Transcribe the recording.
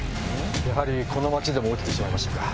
やはりこの町でも起きてしまいましたか。